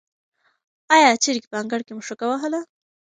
آیا چرګې په انګړ کې مښوکه وهله؟